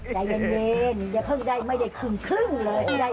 ใจเย็นเดี๋ยวเพิ่งได้ไม่ได้ครึ่งครึ่งเลย